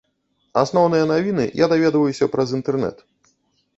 Асноўныя навіны я даведваюся праз інтэрнэт.